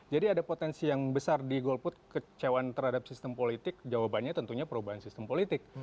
jadi ada potensi yang besar di golput kecewaan terhadap sistem politik jawabannya tentunya perubahan sistem politik